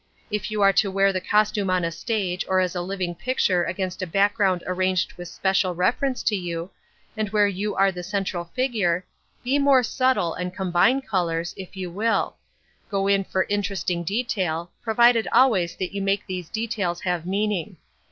If you are to wear the costume on a stage or as a living picture against a background arranged with special reference to you, and where you are the central figure, be more subtle and combine colours, if you will; go in for interesting detail, provided always that you make these details have meaning.